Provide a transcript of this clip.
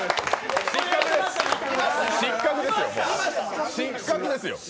失格ですよ。